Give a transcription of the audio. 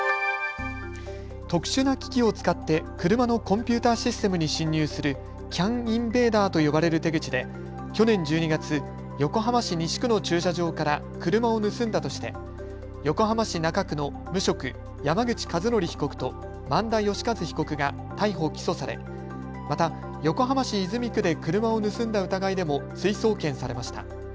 特殊な機器を使って車のコンピューターシステムに侵入するＣＡＮインベーダーと呼ばれる手口で去年１２月、横浜市西区の駐車場から車を盗んだとして、横浜市中区の無職、山口和則被告と萬田義一被告が逮捕・起訴され、また横浜市泉区で車を盗んだ疑いでも追送検されました。